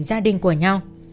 gia đình của nhau